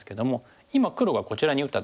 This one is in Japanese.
今黒がこちらに打ったところ。